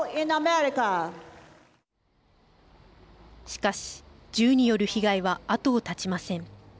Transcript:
しかし銃による被害は後を絶ちません。